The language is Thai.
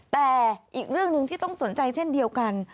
แต่อีกเรื่องหนึ่งที่ต้องสนใจเช่นเดียวกัน